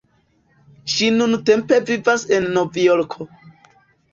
Ŝi nuntempe vivas en Novjorko.